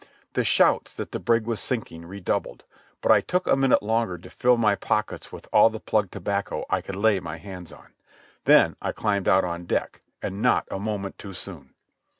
The shouts that the brig was sinking redoubled, but I took a minute longer to fill my pockets with all the plug tobacco I could lay hands on. Then I climbed out on deck, and not a moment too soon.